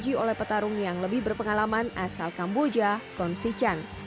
dan di uji oleh petarung yang lebih berpengalaman asal kamboja kong si chan